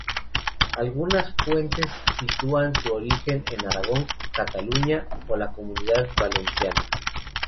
Algunas fuentes sitúan su origen en Aragón, Cataluña o la Comunidad Valenciana.